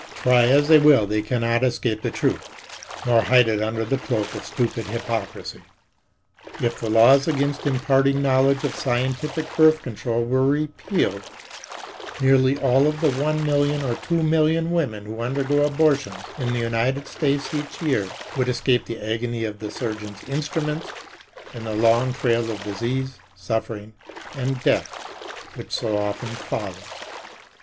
Try as they will they cannot escape the truth, nor hide it under the cloak of stupid hypocrisy. If the laws against imparting knowledge of scientific birth control were repealed, nearly all of the 1,000,000 or 2,000,000 women who undergo abortions in the United States each year would escape the agony of the surgeon's instruments and the long trail of disease, suffering and death which so often follows.